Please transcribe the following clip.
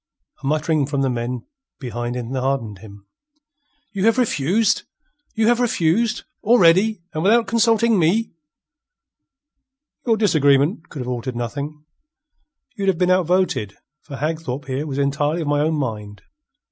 A muttering from the men behind enheartened him. "You have refuse'? You have refuse' already and without consulting me?" "Your disagreement could have altered nothing. You'd have been outvoted, for Hagthorpe here was entirely of my own mind.